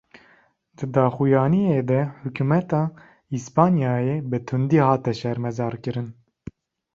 Di daxuyaniyê de hukûmeta Îspanyayê, bi tundî hate şermezarkirin